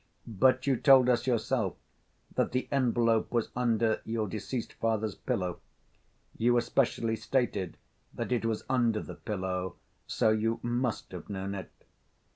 "But you told us yourself that the envelope was under your deceased father's pillow. You especially stated that it was under the pillow, so you must have known it."